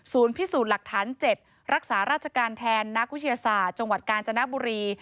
พิสูจน์หลักฐาน๗รักษาราชการแทนนักวิทยาศาสตร์จังหวัดกาญจนบุรี